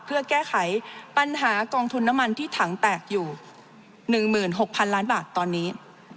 เพื่อแก้ไขปัญหากองทุนน้ำมันที่ถังแตกอยู่๑๖๐๐๐ล้านบาทตอนนี้